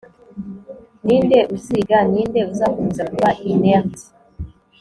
ninde uziga ninde uzakomeza kuba inert